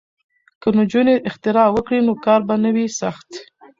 که نجونې اختراع وکړي نو کار به نه وي سخت.